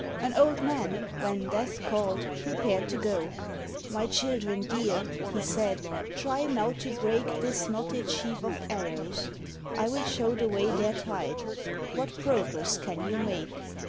An Old Man, when Death called, prepared to go "My children dear," he said, "try now to break This knotted sheaf of arrows. I will show The way they're tied what progress can you make?"